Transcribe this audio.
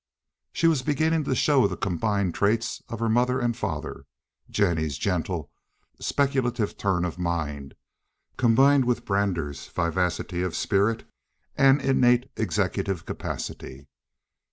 She was beginning to show the combined traits of her mother and father—Jennie's gentle, speculative turn of mind, combined with Brander's vivacity of spirit and innate executive capacity.